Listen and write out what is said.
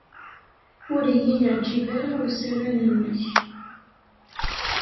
Ur iyi-yeɛjib ara usaran-nnek.